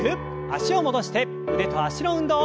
脚を戻して腕と脚の運動。